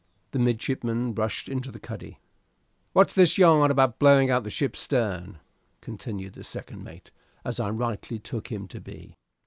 The midshipman rushed into the cuddy. "What's this yarn about blowing out the ship's stern?" continued the second mate, as I rightly took him to be.